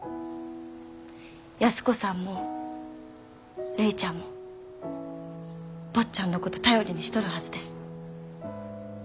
安子さんもるいちゃんも坊ちゃんのこと頼りにしとるはずです。